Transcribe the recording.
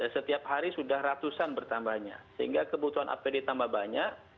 setiap hari sudah ratusan bertambahnya sehingga kebutuhan apd tambah banyak